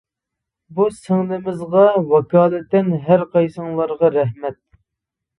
بۇ سىڭلىمىزغا ۋاكالىتەن ھەر قايسىڭلارغا رەھمەت.